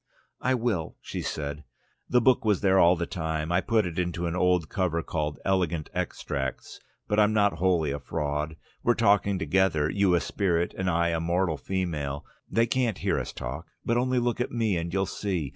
"I will," she said. "The book was there all the time. I put it into an old cover called 'Elegant Extracts...' But I'm not wholly a fraud. We're talking together, you a spirit and I a mortal female. They can't hear us talk. But only look at me, and you'll see...